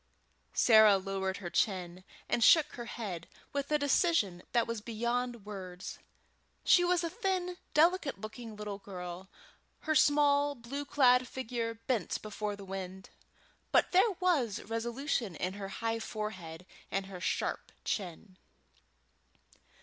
Sarah lowered her chin, and shook her head with a decision that was beyond words. She was a thin, delicate looking little girl, her small blue clad figure bent before the wind, but there was resolution in her high forehead and her sharp chin.